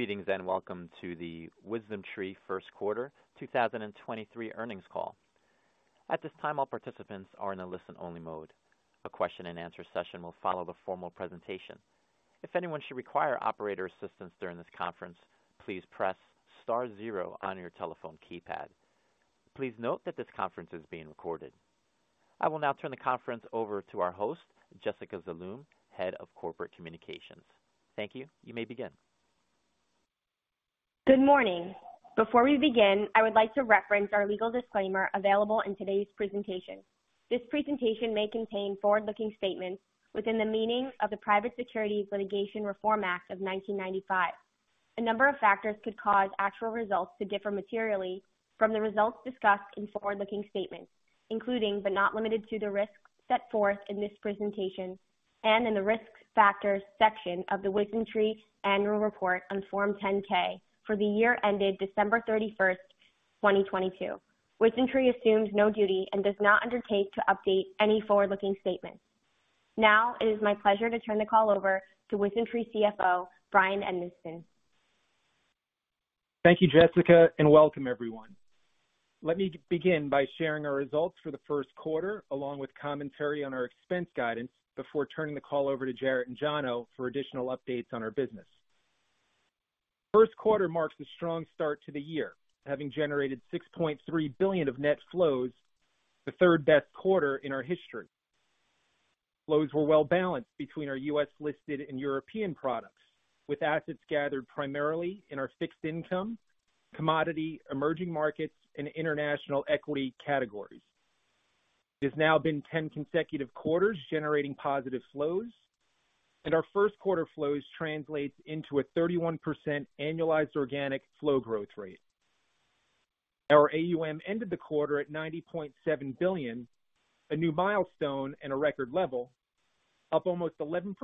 Greetings, welcome to the WisdomTree first quarter 2023 earnings call. At this time, all participants are in a listen-only mode. A question-and-answer session will follow the formal presentation. If anyone should require operator assistance during this conference, please press star zero on your telephone keypad. Please note that this conference is being recorded. I will now turn the conference over to our host, Jessica Zaloom, Head of Corporate Communications. Thank you. You may begin. Good morning. Before we begin, I would like to reference our legal disclaimer available in today's presentation. This presentation may contain forward-looking statements within the meaning of the Private Securities Litigation Reform Act of 1995. A number of factors could cause actual results to differ materially from the results discussed in forward-looking statements, including but not limited to, the risks set forth in this presentation and in the Risk Factors section of the WisdomTree Annual Report on Form 10-K for the year ended December 31st, 2022. WisdomTree assumes no duty and does not undertake to update any forward-looking statement. Now it is my pleasure to turn the call over to WisdomTree CFO, Bryan Edmiston. Thank you, Jessica. Welcome, everyone. Let me begin by sharing our results for the first quarter, along with commentary on our expense guidance before turning the call over to Jarrett and Jono for additional updates on our business. First quarter marks a strong start to the year, having generated $6.3 billion of net flows, the third best quarter in our history. Flows were well balanced between our U.S. listed and European products, with assets gathered primarily in our fixed income, commodity, emerging markets, and international equity categories. It has now been 10 consecutive quarters generating positive flows. Our first quarter flows translates into a 31% annualized organic flow growth rate. Our AUM ended the quarter at $90.7 billion, a new milestone and a record level, up almost 11%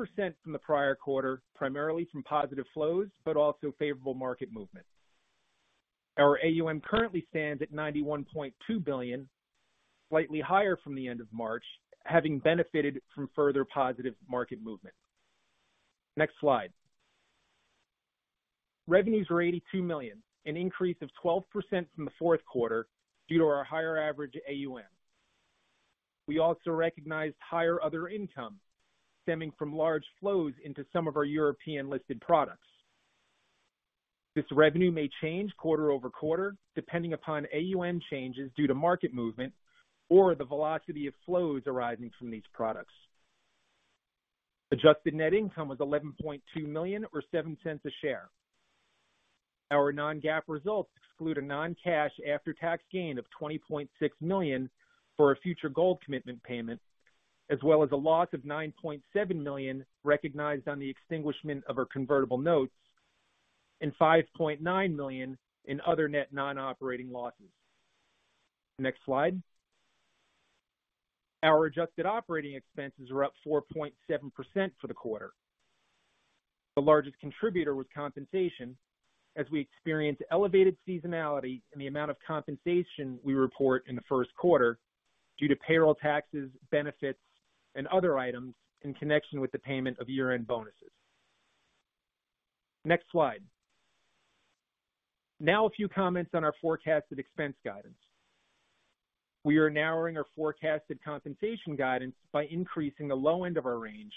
from the prior quarter, primarily from positive flows, but also favorable market movement. Our AUM currently stands at $91.2 billion, slightly higher from the end of March, having benefited from further positive market movement. Next slide. Revenues were $82 million, an increase of 12% from the fourth quarter due to our higher average AUM. We also recognized higher other income stemming from large flows into some of our European-listed products. This revenue may change quarter-over-quarter, depending upon AUM changes due to market movement or the velocity of flows arising from these products. Adjusted net income was $11.2 million or $0.07 a share. Our non-GAAP results exclude a non-cash after-tax gain of $20.6 million for a future gold commitment payment, as well as a loss of $9.7 million recognized on the extinguishment of our convertible notes and $5.9 million in other net non-operating losses. Next slide. Our adjusted operating expenses were up 4.7% for the quarter. The largest contributor was compensation, as we experienced elevated seasonality in the amount of compensation we report in the first quarter due to payroll taxes, benefits, and other items in connection with the payment of year-end bonuses. Next slide. A few comments on our forecasted expense guidance. We are narrowing our forecasted compensation guidance by increasing the low end of our range,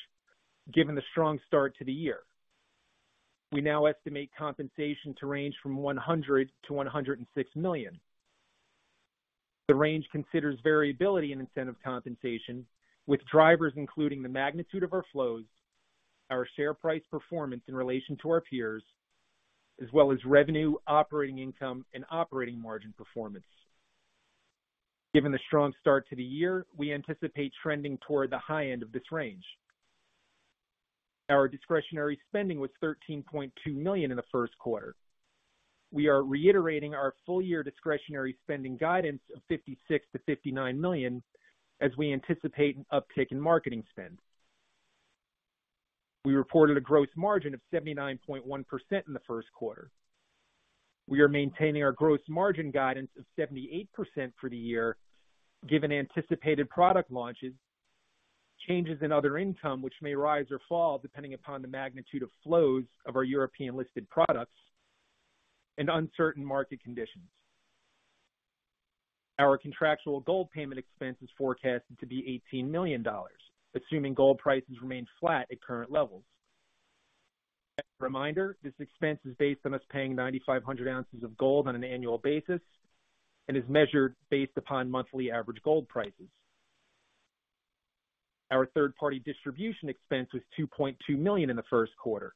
given the strong start to the year. We now estimate compensation to range from $100 million-$106 million. The range considers variability in incentive compensation, with drivers including the magnitude of our flows, our share price performance in relation to our peers, as well as revenue, operating income, and operating margin performance. Given the strong start to the year, we anticipate trending toward the high end of this range. Our discretionary spending was $13.2 million in the first quarter. We are reiterating our full year discretionary spending guidance of $56 million-$59 million as we anticipate an uptick in marketing spend. We reported a gross margin of 79.1% in the first quarter. We are maintaining our gross margin guidance of 78% for the year, given anticipated product launches, changes in other income which may rise or fall depending upon the magnitude of flows of our European-listed products and uncertain market conditions. Our contractual gold payment expense is forecasted to be $18 million, assuming gold prices remain flat at current levels. As a reminder, this expense is based on us paying 9,500 ounces of gold on an annual basis and is measured based upon monthly average gold prices. Our third-party distribution expense was $2.2 million in the first quarter.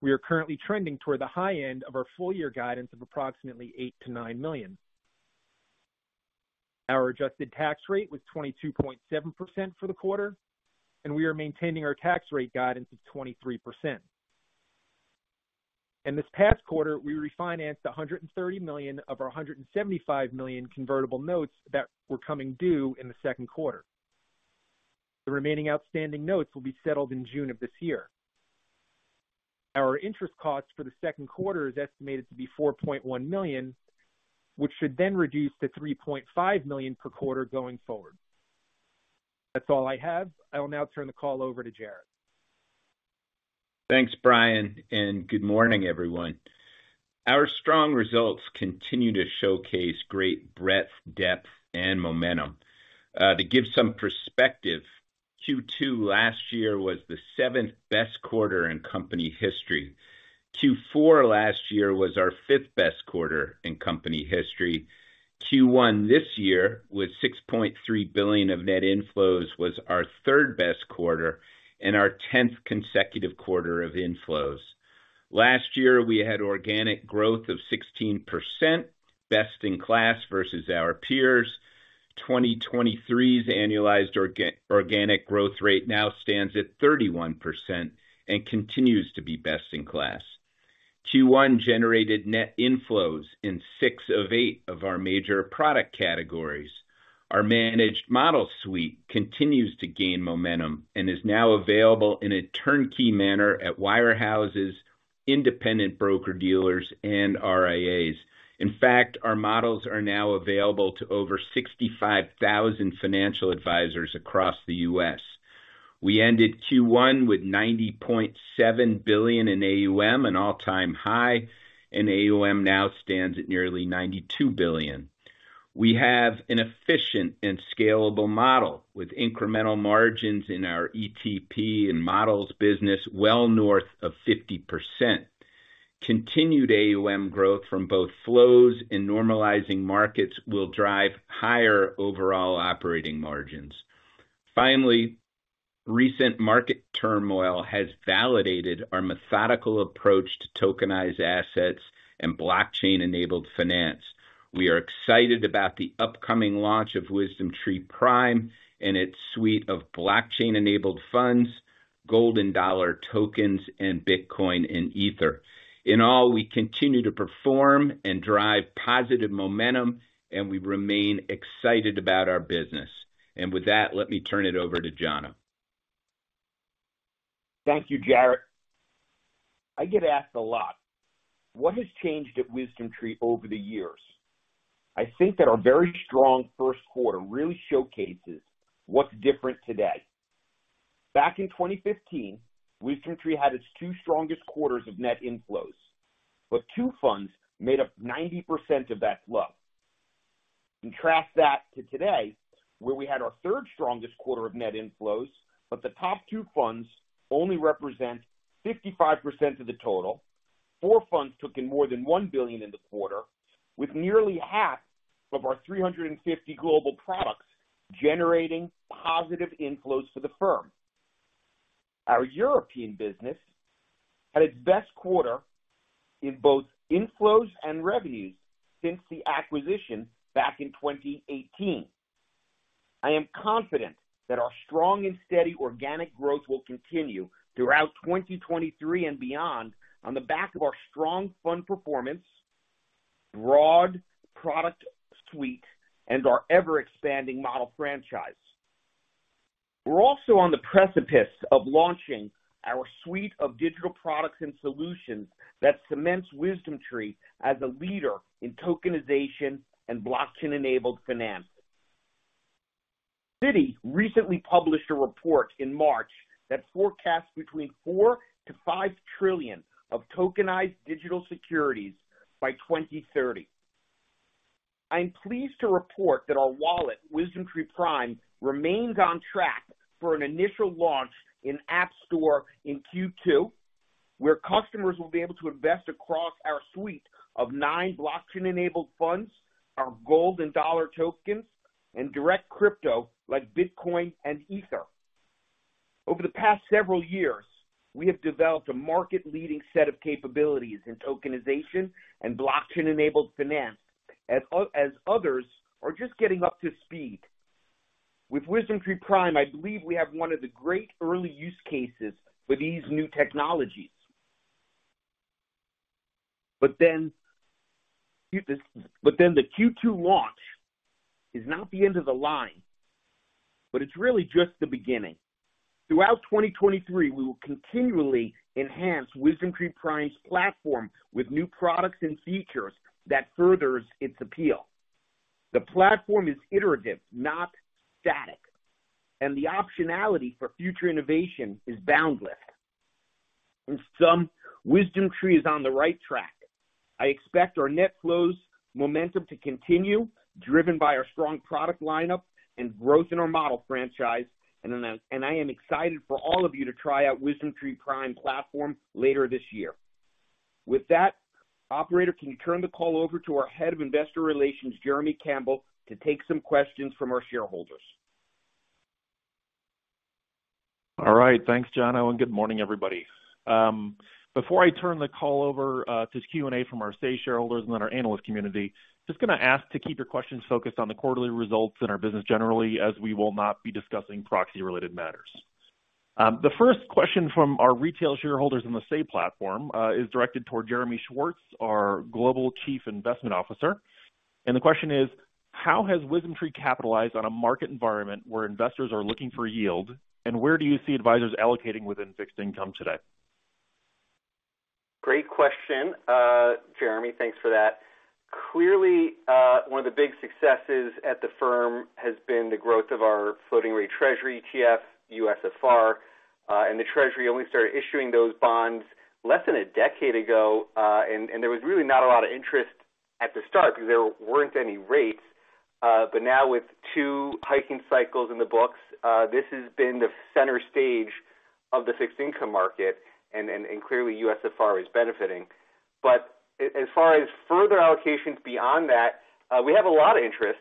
We are currently trending toward the high end of our full year guidance of approximately $8 million-$9 million. Our adjusted tax rate was 22.7% for the quarter. We are maintaining our tax rate guidance of 23%. In this past quarter, we refinanced $130 million of our $175 million convertible notes that were coming due in the second quarter. The remaining outstanding notes will be settled in June of this year. Our interest cost for the second quarter is estimated to be $4.1 million, which should then reduce to $3.5 million per quarter going forward. That's all I have. I will now turn the call over to Jarrett. Thanks, Bryan, and good morning, everyone. Our strong results continue to showcase great breadth, depth, and momentum. To give some perspective, Q2 last year was the seventh-best quarter in company history. Q4 last year was our fifth-best quarter in company history. Q1 this year, with $6.3 billion of net inflows, was our third-best quarter and our tenth consecutive quarter of inflows. Last year, we had organic growth of 16%, best in class versus our peers. 2023's annualized organic growth rate now stands at 31% and continues to be best in class. Q1 generated net inflows in six of eight of our major product categories. Our managed model suite continues to gain momentum and is now available in a turnkey manner at wirehouses, Independent Broker-Dealers, and RIAs. In fact, our models are now available to over 65,000 financial advisors across the US. We ended Q1 with $90.7 billion in AUM, an all-time high, and AUM now stands at nearly $92 billion. We have an efficient and scalable model with incremental margins in our ETP and models business well north of 50%. Continued AUM growth from both flows and normalizing markets will drive higher overall operating margins. Finally, recent market turmoil has validated our methodical approach to tokenized assets and blockchain-enabled finance. We are excited about the upcoming launch of WisdomTree Prime and its suite of blockchain-enabled funds, gold and dollar tokens, and Bitcoin and Ether. In all, we continue to perform and drive positive momentum, and we remain excited about our business. With that, let me turn it over to Jono. Thank you, Jarrett. I get asked a lot, what has changed at WisdomTree over the years? I think that our very strong first quarter really showcases what's different today. Back in 2015, WisdomTree had its two strongest quarters of net inflows, but two funds made up 90% of that flow. Contrast that to today, where we had our third strongest quarter of net inflows, but the top two funds only represent 55% of the total. Four funds took in more than $1 billion in the quarter, with nearly half of our 350 global products generating positive inflows to the firm. Our European business had its best quarter in both inflows and revenues since the acquisition back in 2018. I am confident that our strong and steady organic growth will continue throughout 2023 and beyond on the back of our strong fund performance, broad product suite, and our ever-expanding model franchise. We're also on the precipice of launching our suite of digital products and solutions that cements WisdomTree as a leader in tokenization and blockchain-enabled finance. Citi recently published a report in March that forecasts between $4 trillion-$5 trillion of tokenized digital securities by 2030. I am pleased to report that our wallet, WisdomTree Prime, remains on track for an initial launch in App Store in Q2, where customers will be able to invest across our suite of nine blockchain-enabled funds, our gold and dollar tokens, and direct crypto like Bitcoin and Ether. Over the past several years, we have developed a market-leading set of capabilities in tokenization and blockchain-enabled finance, as others are just getting up to speed. With WisdomTree Prime, I believe we have one of the great early use cases for these new technologies. The Q2 launch is not the end of the line, but it's really just the beginning. Throughout 2023, we will continually enhance WisdomTree Prime's platform with new products and features that furthers its appeal. The platform is iterative, not static, and the optionality for future innovation is boundless. In sum, WisdomTree is on the right track. I expect our net flows momentum to continue, driven by our strong product lineup and growth in our model franchise. I am excited for all of you to try out WisdomTree Prime platform later this year. With that, operator, can you turn the call over to our Head of Investor Relations, Jeremy Campbell, to take some questions from our shareholders? All right. Thanks, Jono, and good morning, everybody. Before I turn the call over to Q&A from our safe shareholders and then our analyst community, just gonna ask to keep your questions focused on the quarterly results in our business generally, as we will not be discussing proxy-related matters. The first question from our retail shareholders on the Say platform is directed toward Jeremy Schwartz, our Global Chief Investment Officer, and the question is: how has WisdomTree capitalized on a market environment where investors are looking for yield, and where do you see advisors allocating within fixed income today? Great question, Jeremy. Thanks for that. Clearly, one of the big successes at the firm has been the growth of our floating rate Treasury ETF, USFR. The Treasury only started issuing those bonds less than a decade ago. There was really not a lot of interest at the start because there weren't any rates. Now with two hiking cycles in the books, this has been the center stage of the fixed income market and clearly, USFR is benefiting. As far as further allocations beyond that, we have a lot of interest,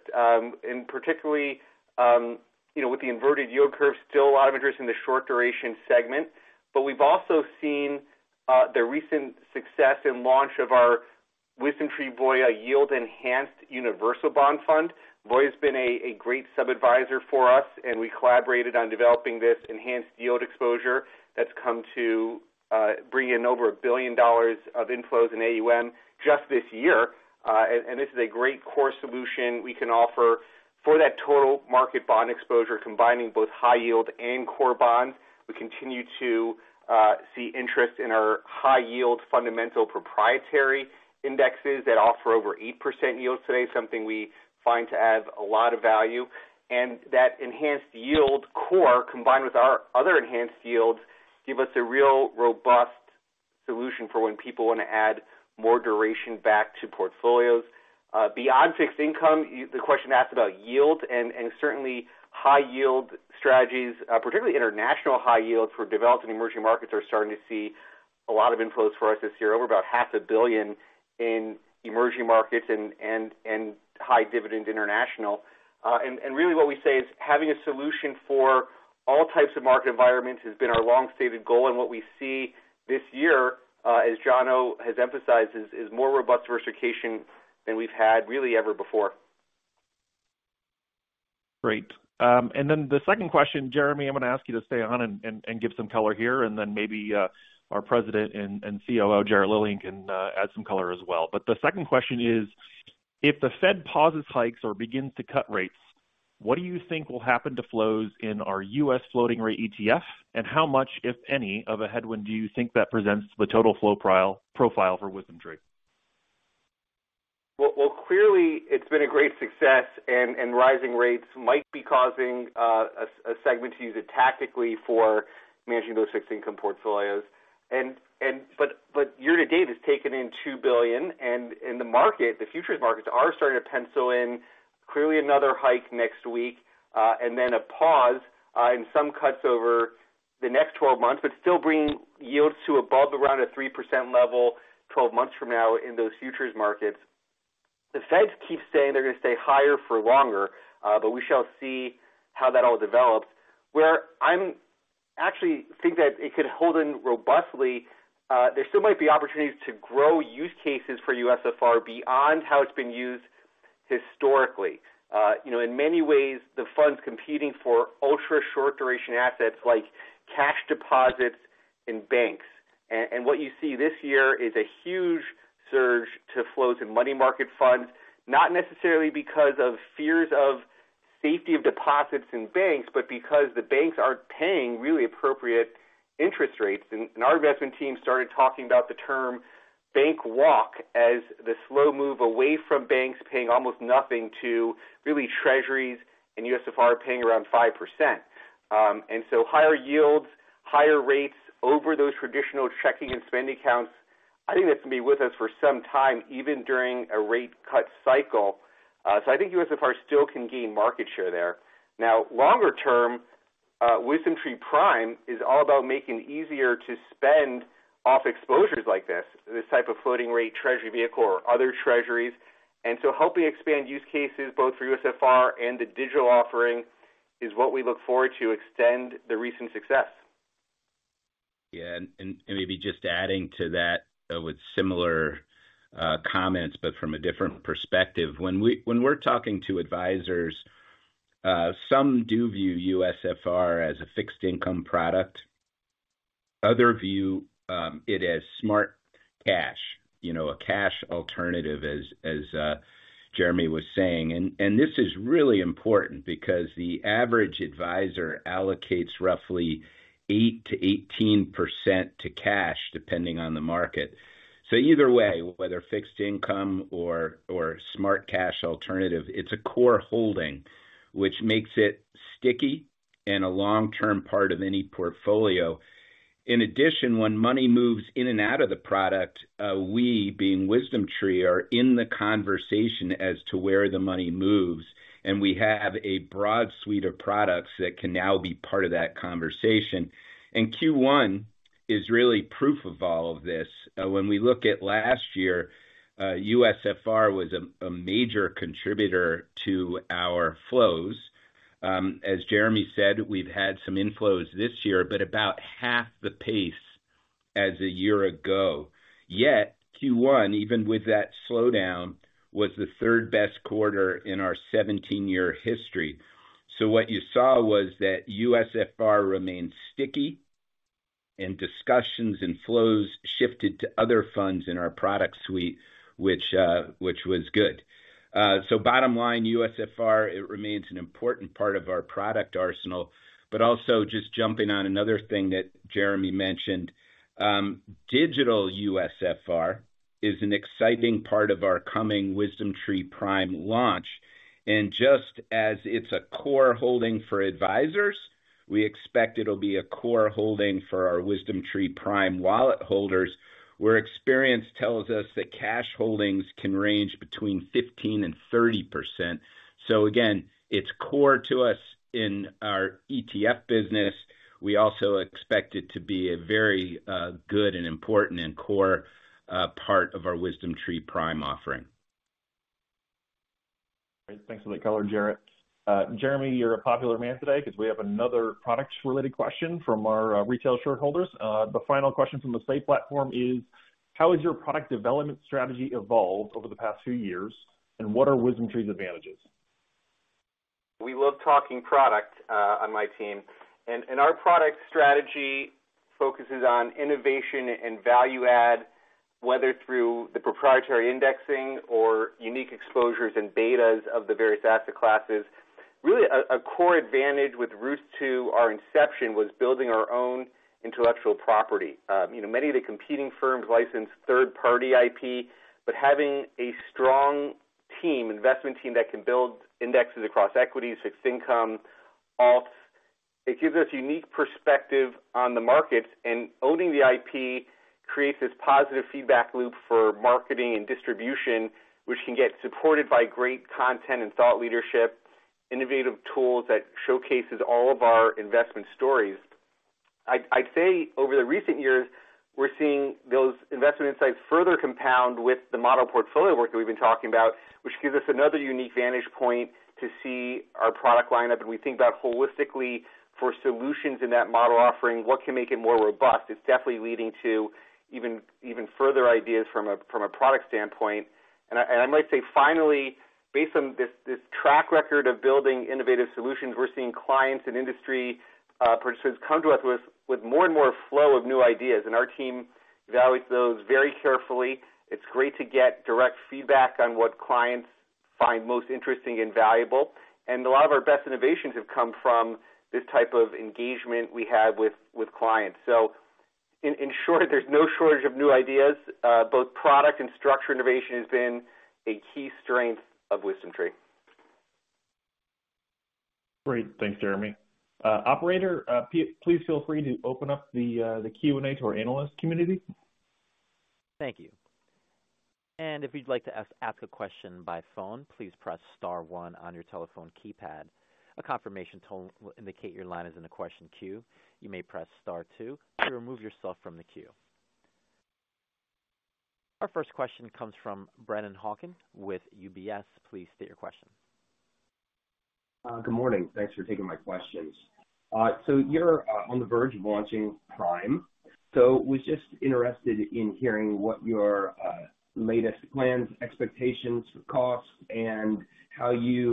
in particularly, you know, with the inverted yield curve, still a lot of interest in the short duration segment. We've also seen the recent success and launch of our WisdomTree Voya Yield Enhanced Universal Bond Fund. Voya's been a great sub-adviser for us, and we collaborated on developing this enhanced yield exposure that's come to bring in over $1 billion of inflows in AUM just this year. This is a great core solution we can offer for that total market bond exposure, combining both high yield and core bonds. We continue to see interest in our high yield fundamental proprietary indexes that offer over 8% yields today, something we find to add a lot of value. That enhanced yield core, combined with our other enhanced yields, give us a real robust solution for when people wanna add more duration back to portfolios. beyond fixed income, the question asked about yield and certainly high yield strategies, particularly international high yields for developed and emerging markets, are starting to see a lot of inflows for us this year. Over about half a billion in emerging markets and high dividend international. Really what we say is having a solution for all types of market environments has been our long-stated goal. What we see this year, as Jono has emphasized, is more robust diversification than we've had really ever before. Great. The second question, Jeremy, I'm gonna ask you to stay on and give some color here, and then maybe our President and COO, Jarrett Lilien, can add some color as well. The second question is, if the Fed pauses hikes or begins to cut rates, what do you think will happen to flows in our US floating rate ETF? How much, if any, of a headwind do you think that presents to the total flow profile for WisdomTree? Well clearly, it's been a great success, and rising rates might be causing a segment to use it tactically for managing those fixed income portfolios. But year to date, it's taken in $2 billion, and the market, the futures markets are starting to pencil in clearly another hike next week, and then a pause, and some cuts over the next 12 months, but still bringing yields to above around a 3% level 12 months from now in those futures markets. The Feds keep saying they're gonna stay higher for longer, but we shall see how that all develops. Actually think that it could hold in robustly. There still might be opportunities to grow use cases for USFR beyond how it's been used historically. You know, in many ways, the fund's competing for ultra-short duration assets like cash deposits in banks. What you see this year is a huge surge to flows in money market funds, not necessarily because of fears of safety of deposits in banks, but because the banks aren't paying really appropriate interest rates. Our investment team started talking about the term bank walk as the slow move away from banks paying almost nothing to really Treasuries and USFR paying around 5%. Higher yields, higher rates over those traditional checking and spending accounts, I think that's gonna be with us for some time, even during a rate cut cycle. I think USFR still can gain market share there. Longer term, WisdomTree Prime is all about making it easier to spend off exposures like this type of floating rate Treasury vehicle or other Treasuries. Helping expand use cases both for USFR and the digital offering is what we look forward to extend the recent success. Yeah, and maybe just adding to that, with similar comments, but from a different perspective. When we're talking to advisors, some do view USFR as a fixed income product. Other view it as smart cash, you know, a cash alternative, as Jeremy was saying. This is really important because the average advisor allocates roughly 8%-18% to cash, depending on the market. Either way, whether fixed income or smart cash alternative, it's a core holding, which makes it sticky and a long-term part of any portfolio. In addition, when money moves in and out of the product, we, being WisdomTree, are in the conversation as to where the money moves, and we have a broad suite of products that can now be part of that conversation. Q1 is really proof of all of this. When we look at last year, USFR was a major contributor to our flows. As Jeremy said, we've had some inflows this year, but about half the pace as a year ago. Yet Q1, even with that slowdown, was the third-best quarter in our 17-year history. What you saw was that USFR remained sticky and discussions and flows shifted to other funds in our product suite, which was good. Bottom line, USFR, it remains an important part of our product arsenal. Also just jumping on another thing that Jeremy mentioned, digital USFR is an exciting part of our coming WisdomTree Prime launch. Just as it's a core holding for advisors, we expect it'll be a core holding for our WisdomTree Prime wallet holders, where experience tells us that cash holdings can range between 15% and 30%. Again, it's core to us in our ETF business. We also expect it to be a very good and important and core part of our WisdomTree Prime offering. Great. Thanks for that color, Jarrett. Jeremy, you're a popular man today because we have another products related question from our retail shareholders. The final question from the Say platform is: how has your product development strategy evolved over the past few years, and what are WisdomTree's advantages? We love talking product on my team. Our product strategy focuses on innovation and value add, whether through the proprietary indexing or unique exposures and betas of the various asset classes. Really a core advantage with roots to our inception was building our own intellectual property. You know, many of the competing firms license third-party IP, but having a strong team, investment team that can build indexes across equities, fixed income, alts, it gives us unique perspective on the markets. Owning the IP creates this positive feedback loop for marketing and distribution, which can get supported by great content and thought leadership, innovative tools that showcases all of our investment stories. I'd say over the recent years, we're seeing those investment insights further compound with the model portfolio work that we've been talking about, which gives us another unique vantage point to see our product lineup. We think about holistically for solutions in that model offering, what can make it more robust? It's definitely leading to even further ideas from a product standpoint. I might say finally, based on this track record of building innovative solutions, we're seeing clients and industry purchasers come to us with more and more flow of new ideas. Our team values those very carefully. It's great to get direct feedback on what clients find most interesting and valuable. A lot of our best innovations have come from this type of engagement we have with clients. In short, there's no shortage of new ideas. Both product and structure innovation has been a key strength of WisdomTree. Great. Thanks, Jeremy. Operator, please feel free to open up the Q&A to our analyst community. Thank you. If you'd like to ask a question by phone, please press star one on your telephone keypad. A confirmation tone will indicate your line is in the question queue. You may press star two to remove yourself from the queue. Our first question comes from Brennan Hawken with UBS. Please state your question. Good morning. Thanks for taking my questions. You're on the verge of launching Prime. Was just interested in hearing what your latest plans, expectations for costs, and how you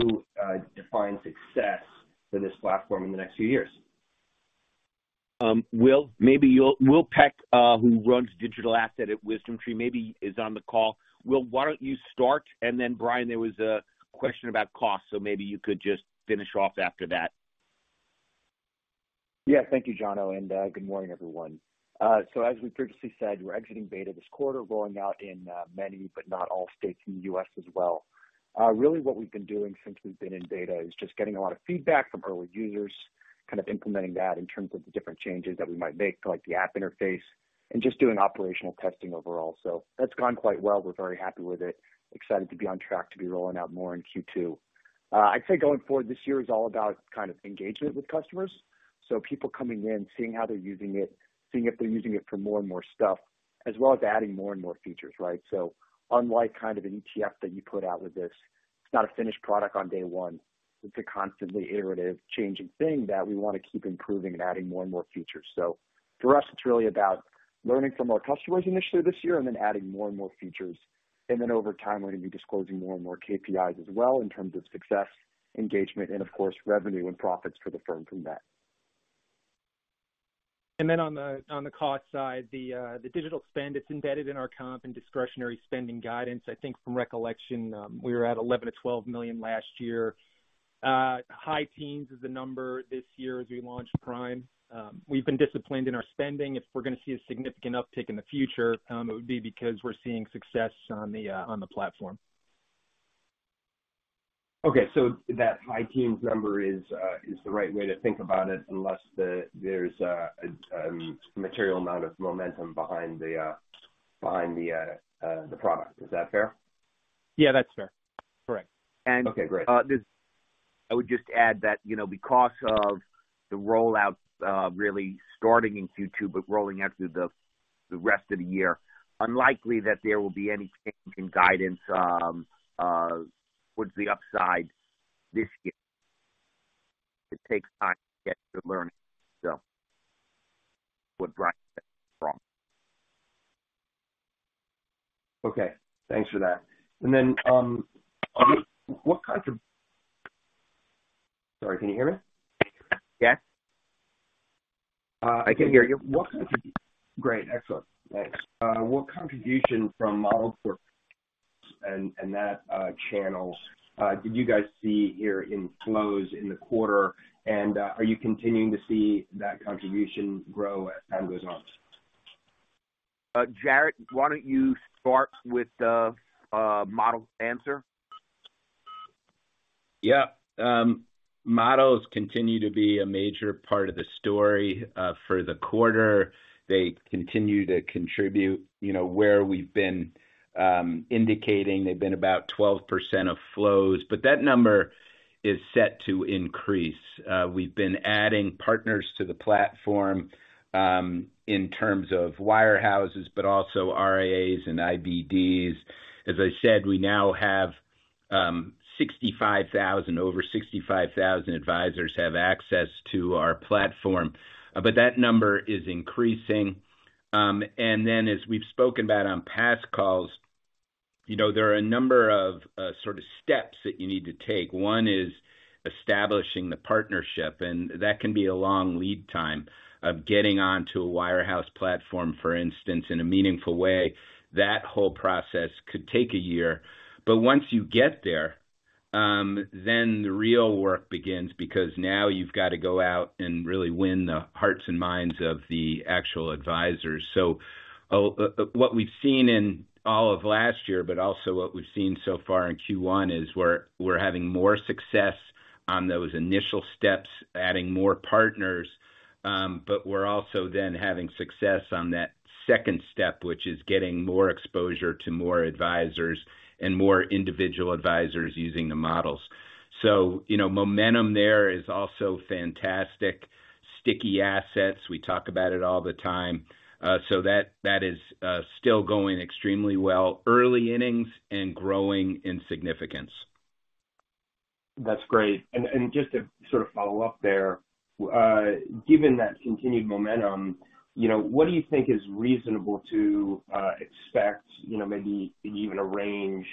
define success for this platform in the next few years? Will, maybe Will Peck, who runs digital asset at WisdomTree, maybe is on the call. Will, why don't you start? Then, Brian, there was a question about cost, so maybe you could just finish off after that. Yeah. Thank you, Jarrett, and good morning, everyone. As we previously said, we're exiting beta this quarter, rolling out in many, but not all states in the U.S. as well. Really what we've been doing since we've been in beta is just getting a lot of feedback from early users, kind of implementing that in terms of the different changes that we might make to like the app interface and just doing operational testing overall. That's gone quite well. We're very happy with it. Excited to be on track to be rolling out more in Q2. I'd say going forward, this year is all about kind of engagement with customers. People coming in, seeing how they're using it, seeing if they're using it for more and more stuff, as well as adding more and more features, right? Unlike kind of an ETF that you put out with this, it's not a finished product on day one. It's a constantly iterative changing thing that we wanna keep improving and adding more and more features. For us, it's really about learning from our customers initially this year and then adding more and more features. Over time, we're going to be disclosing more and more KPIs as well in terms of success, engagement, and of course, revenue and profits for the firm from that. On the, on the cost side, the digital spend, it's embedded in our comp and discretionary spending guidance. I think from recollection, we were at $11 million-$12 million last year. High teens is the number this year as we launch Prime. We've been disciplined in our spending. If we're gonna see a significant uptick in the future, it would be because we're seeing success on the platform. That high teens number is the right way to think about it unless there's material amount of momentum behind the product. Is that fair? Yeah, that's fair. Correct. Okay, great. I would just add that, you know, because of the rollout, really starting in Q2, but rolling out through the rest of the year, unlikely that there will be any change in guidance towards the upside this year. It takes time to get the learning. What Bryan said is wrong. Okay. Thanks for that. Sorry, can you hear me? Yes. I can hear you. Great. Excellent. Thanks. What contribution from models for and that channel did you guys see here in flows in the quarter? Are you continuing to see that contribution grow as time goes on? Jarrett, why don't you start with the model answer? Yeah. Models continue to be a major part of the story for the quarter. They continue to contribute, you know, where we've been, indicating they've been about 12% of flows, but that number is set to increase. We've been adding partners to the platform in terms of wirehouses, but also RIAs and IBDs. As I said, we now have over 65,000 advisors have access to our platform, but that number is increasing. As we've spoken about on past calls, you know, there are a number of sort of steps that you need to take. One is establishing the partnership, and that can be a long lead time of getting onto a wirehouse platform, for instance, in a meaningful way. That whole process could take a year. Once you get there, then the real work begins because now you've got to go out and really win the hearts and minds of the actual advisors. What we've seen in all of last year, but also what we've seen so far in Q1 is we're having more success on those initial steps, adding more partners, but we're also then having success on that second step, which is getting more exposure to more advisors and more individual advisors using the models. You know, momentum there is also fantastic. Sticky assets, we talk about it all the time. That is still going extremely well, early innings and growing in significance. That's great. Just to sort of follow up there, given that continued momentum, you know, what do you think is reasonable to expect, you know, maybe even a range,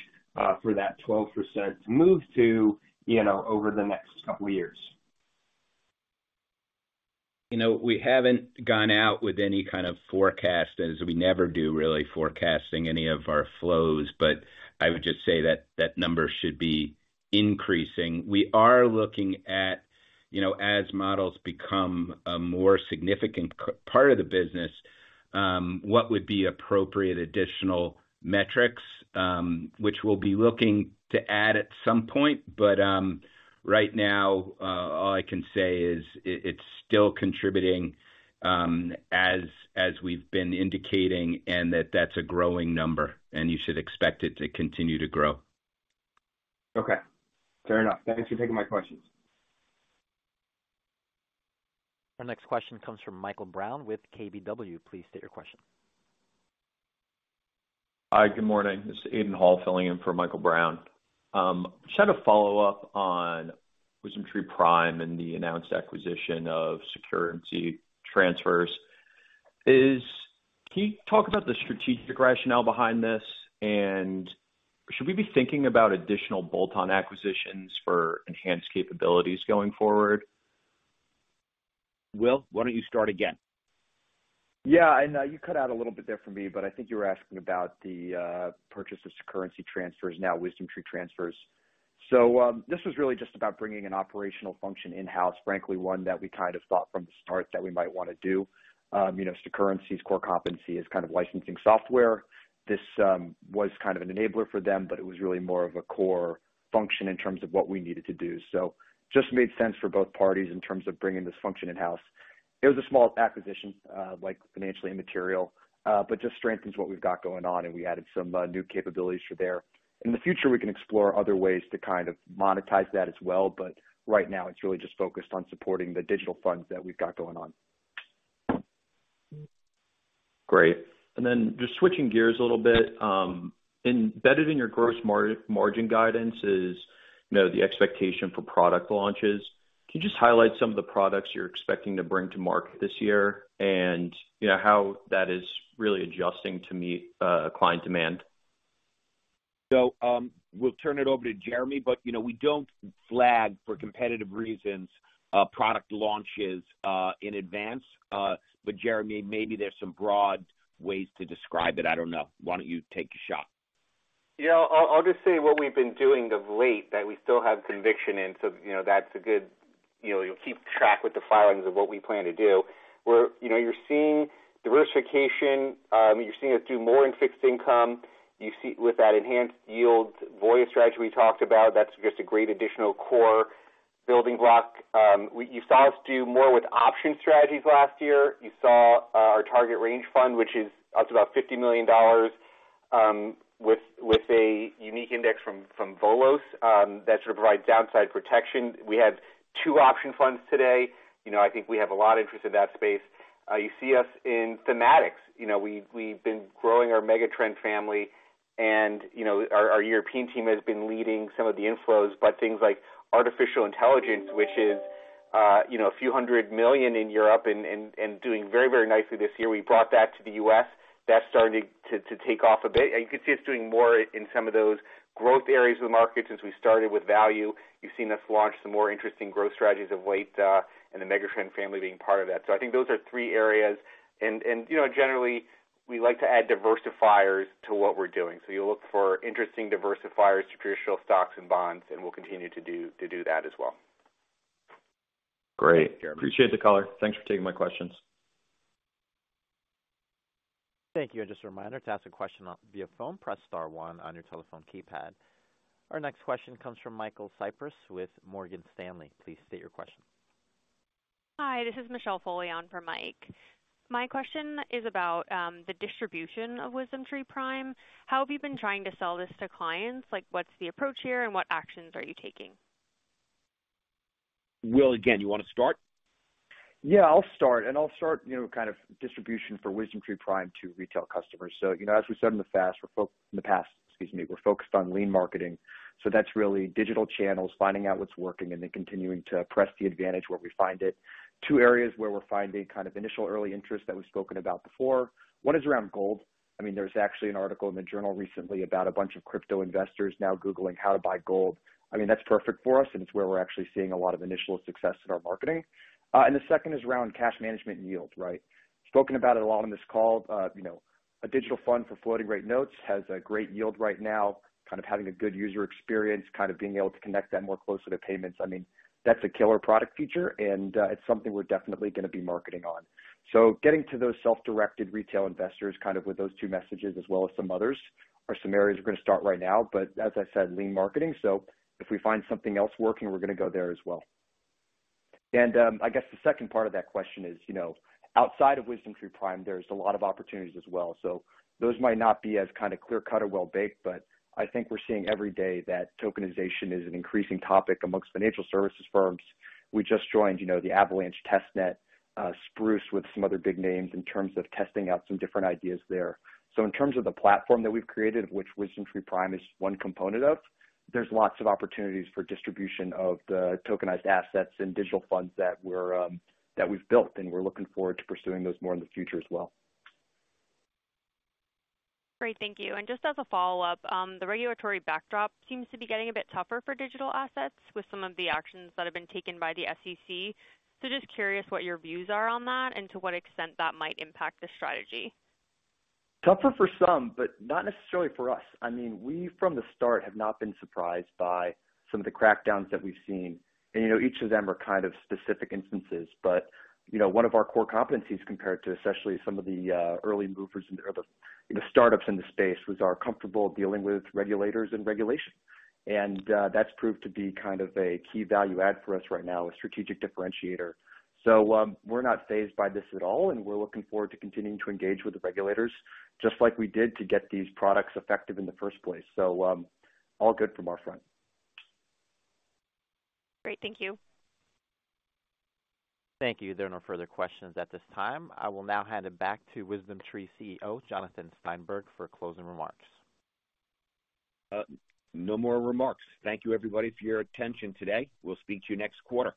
for that 12% to move to, you know, over the next couple of years? You know, we haven't gone out with any kind of forecast, as we never do really forecasting any of our flows. I would just say that that number should be increasing. We are looking at, you know, as models become a more significant part of the business, what would be appropriate additional metrics, which we'll be looking to add at some point. Right now, all I can say is it's still contributing, as we've been indicating, and that that's a growing number, and you should expect it to continue to grow. Okay. Fair enough. Thanks for taking my questions. Our next question comes from Michael Brown with KBW. Please state your question. Hi, good morning. This is Aidan Hall filling in for Michael Brown. Just had a follow-up on WisdomTree Prime and the announced acquisition of Securrency. Can you talk about the strategic rationale behind this, and should we be thinking about additional bolt-on acquisitions for enhanced capabilities going forward? Will, why don't you start again? Yeah. I know you cut out a little bit there for me, I think you were asking about the purchase of Securrency, now WisdomTree Transfers. This was really just about bringing an operational function in-house, frankly, one that we kind of thought from the start that we might wanna do. You know, Securrency's core competency is kind of licensing software. This was kind of an enabler for them, it was really more of a core function in terms of what we needed to do. Just made sense for both parties in terms of bringing this function in-house. It was a small acquisition, like financially immaterial, just strengthens what we've got going on, and we added some new capabilities for there. In the future, we can explore other ways to kind of monetize that as well. Right now it's really just focused on supporting the digital funds that we've got going on. Great. Just switching gears a little bit, embedded in your gross margin guidance is, you know, the expectation for product launches. Can you just highlight some of the products you're expecting to bring to market this year and, you know, how that is really adjusting to meet client demand? We'll turn it over to Jeremy, but, you know, we don't flag for competitive reasons, product launches, in advance. Jeremy, maybe there's some broad ways to describe it. I don't know. Why don't you take a shot? You know, I'll just say what we've been doing of late that we still have conviction in. You know, that's a good. You know, you'll keep track with the filings of what we plan to do. You know, you're seeing diversification. You're seeing us do more in fixed income. You see with that enhanced yield Voya strategy we talked about, that's just a great additional core building block. You saw us do more with option strategies last year. You saw our target range fund, which is up to about $50 million, with a unique index from Volos, that sort of provides downside protection. We have 2 option funds today. You know, I think we have a lot of interest in that space. You see us in thematics. You know, we've been growing our Megatrend family, and, you know, our European team has been leading some of the inflows. Things like artificial intelligence, you know, a few hundred million USD in Europe and doing very, very nicely this year. We brought that to the U.S. That's starting to take off a bit. You can see us doing more in some of those growth areas of the market since we started with value. You've seen us launch some more interesting growth strategies of late, and the Megatrend family being part of that. I think those are three areas. You know, generally, we like to add diversifiers to what we're doing. You'll look for interesting diversifiers to traditional stocks and bonds, and we'll continue to do that as well. Great. Appreciate the color. Thanks for taking my questions. Thank you. Just a reminder, to ask a question, via phone, press star one on your telephone keypad. Our next question comes from Michael Faolain with Morgan Stanley. Please state your question. Hi, this is Michelle Faolain for Mike. My question is about the distribution of WisdomTree Prime. How have you been trying to sell this to clients? Like, what's the approach here, and what actions are you taking? Will, again, you wanna start? Yeah, I'll start. I'll start, you know, kind of distribution for WisdomTree Prime to retail customers. You know, as we said in the past, excuse me, we're focused on lean marketing. That's really digital channels, finding out what's working, and then continuing to press the advantage where we find it. Two areas where we're finding kind of initial early interest that we've spoken about before, one is around gold. I mean, there's actually an article in the journal recently about a bunch of crypto investors now googling how to buy gold. I mean, that's perfect for us, and it's where we're actually seeing a lot of initial success in our marketing. The second is around cash management yield, right? Spoken about it a lot on this call. You know, a digital fund for floating rate notes has a great yield right now, kind of having a good user experience, kind of being able to connect that more closely to payments. I mean, that's a killer product feature, and it's something we're definitely gonna be marketing on. Getting to those self-directed retail investors, kind of with those 2 messages as well as some others, are some areas we're gonna start right now. As I said, lean marketing, so if we find something else working, we're gonna go there as well. I guess the second part of that question is, you know, outside of WisdomTree Prime, there's a lot of opportunities as well. Those might not be as kinda clear-cut or well-baked, but I think we're seeing every day that tokenization is an increasing topic amongst financial services firms. We just joined, you know, the Avalanche Testnet, Spruce with some other big names in terms of testing out some different ideas there. In terms of the platform that we've created, which WisdomTree Prime is one component of, there's lots of opportunities for distribution of the tokenized assets and digital funds that we're that we've built, and we're looking forward to pursuing those more in the future as well. Great. Thank you. Just as a follow-up, the regulatory backdrop seems to be getting a bit tougher for digital assets with some of the actions that have been taken by the SEC. Just curious what your views are on that and to what extent that might impact the strategy. Tougher for some, but not necessarily for us. I mean, we from the start have not been surprised by some of the crackdowns that we've seen. You know, each of them are kind of specific instances, but, you know, one of our core competencies compared to especially some of the early movers or the startups in the space, was are comfortable dealing with regulators and regulation. That's proved to be kind of a key value add for us right now, a strategic differentiator. We're not phased by this at all, and we're looking forward to continuing to engage with the regulators just like we did to get these products effective in the first place. All good from our front. Great. Thank you. Thank you. There are no further questions at this time. I will now hand it back to WisdomTree CEO, Jonathan Steinberg, for closing remarks. No more remarks. Thank you, everybody, for your attention today. We'll speak to you next quarter.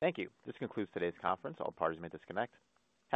Thank you. This concludes today's conference. All parties may disconnect.